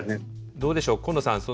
どうでしょう紺野さん。